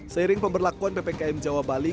seiring pemberlakuan ppkm jawa bali